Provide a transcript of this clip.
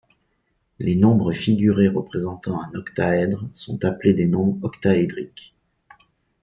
Les nombres figurés représentant un octaèdre sont appelés des nombres octaédriques.